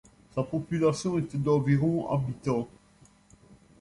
Sa population était d’environ habitants.